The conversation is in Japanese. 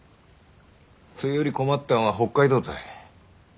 そいより困ったんは北海道たい。